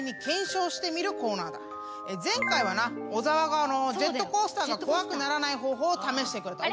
前回はな小沢がジェットコースターが怖くならない方法を試してくれた。